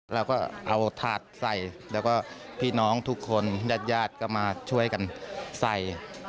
เราก็เอาถาดใส่แล้วก็พี่น้องทุกคนญาติญาติก็มาช่วยกันใส่